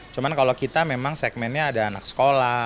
cuma kalau kita memang segmennya ada anak sekolah